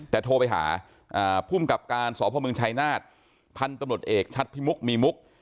แต่โทรไปหาภูมิกลับการสพชนาฏพันธุ์กำหนดเอกชัดมุกมีมุก